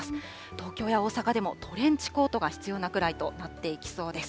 東京や大阪でもトレンチコートが必要なくらいとなっていきそうです。